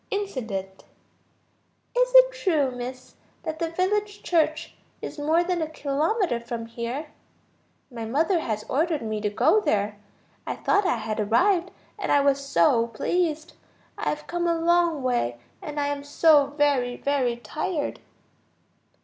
Incident_. "Is it true, Miss, that the village church is more than a kilometer from here? My mother has ordered me to go there. I thought I had arrived, and I was so pleased. I have come a long way, and I am so very, very tired."